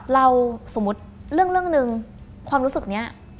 สมมุติเรื่องหนึ่งความรู้สึกนี้